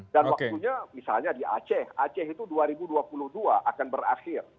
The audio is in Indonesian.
dan waktunya misalnya di aceh aceh itu dua ribu dua puluh dua akan berakhir